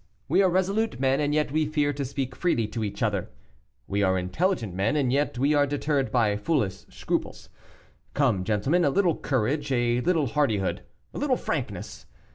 We are resolute men, and yet we fear to speak freely to each other; we are intelligent men, and yet we are deterred by foolish scruples. Come, gentlemen, a little courage, a little hardihood, a little frankness.